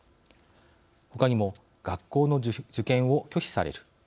ほかにも学校の受験を拒否される。